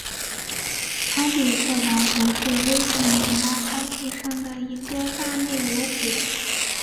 阿蒂特兰湖是危地马拉高地上的一个大内流湖。